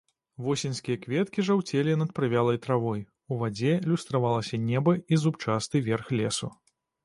Восеньскія кветкі жаўцелі над прывялай травой, у вадзе люстравалася неба і зубчасты верх лесу.